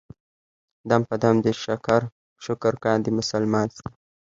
دم په دم دې شکر کاندي مسلمان ستا.